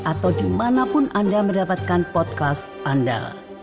atau dimanapun anda mendapatkan podcast anda